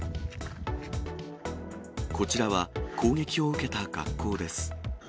こちらは、攻撃を受けた学校です。